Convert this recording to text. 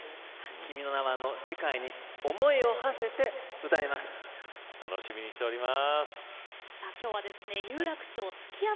「君の名は」の世界に思いをはせて歌います。